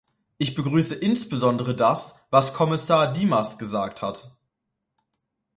Ich begrüße insbesondere das, was Kommissar Dimas gesagt hat.